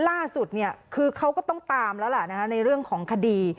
ล่าสุดเนี่ยคือเขาก็ต้องตามแล้วล่ะในเรื่องของคดี